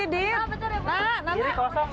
dateng sama kamu